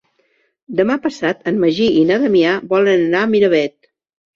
Demà passat en Magí i na Damià volen anar a Miravet.